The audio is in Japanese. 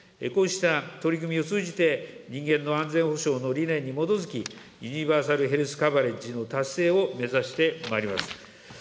こうした取り組みを通じて、人間の安全保障の理念に基づき、ユニバーサル・ヘルス・カバレッジの達成を目指してまいります。